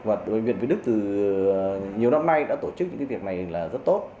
và bệnh viện việt đức từ nhiều năm nay đã tổ chức những việc này là rất tốt